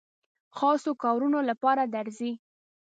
خاصو کارونو لپاره درځي.